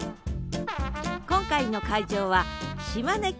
今回の会場は島根県立美術館。